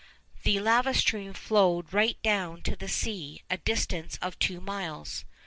The lava stream flowed right down to the sea, a distance of two miles.